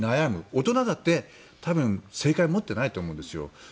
大人だって、多分正解を持っていないと思うんですよ。